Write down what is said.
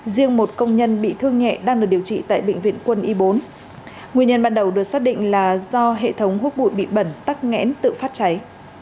riêng một công nhân bị thương nhẹ đang được điều trị tại bệnh viện quân y bốn nguyên nhân ban đầu được xác định là do hệ thống hút bụi bị bẩn tắc nghẽn tự phát cháy